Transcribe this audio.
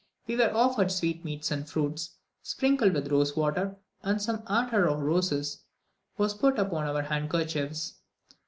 We were offered sweetmeats and fruits, sprinkled with rosewater, and some attar of roses was put upon our handkerchiefs.